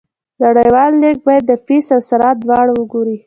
نړیوال لیږد باید د فیس او سرعت دواړه وګوري.